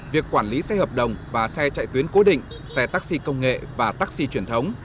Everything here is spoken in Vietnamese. việc quản lý xe hợp đồng và xe chạy tuyến cố định xe taxi công nghệ và taxi truyền thống